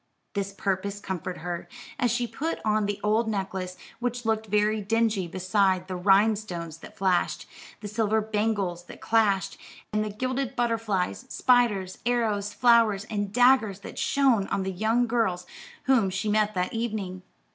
This purpose comforted her, as she put on the old necklace, which looked very dingy beside the Rhinestones that flashed, the silver bangles that clashed, and the gilded butterflies, spiders, arrows, flowers, and daggers that shone on the young girls whom she met that evening.